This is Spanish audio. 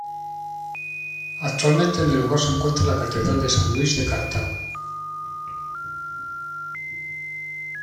Actualmente en el lugar se encuentra la Catedral de San Luis de Cartago.